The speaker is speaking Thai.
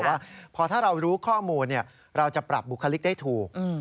ว่าพอถ้าเรารู้ข้อมูลเราจะปรับบุคลิกได้ถูก